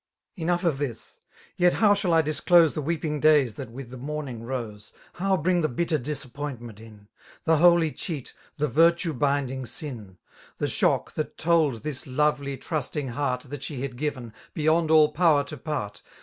Enough of this» Yet how shall I disclose The weeping days that with the morning rose^ How bring the bitter disappointment in^«« The holy cheat, the virtue binding sin»' * The shock, that told this lovely^ trusting heaii> That she had given, beyond all power to part.